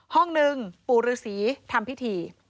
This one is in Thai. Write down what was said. ห้องหนึ่งปู่ฤษีทำพิธี